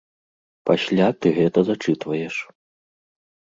Пасля ты гэта зачытваеш.